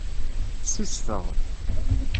Ssusfeɣ.